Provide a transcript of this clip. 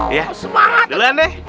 iya duluan deh